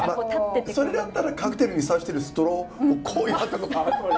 それだったらカクテルにさしてるストローこうやったことある。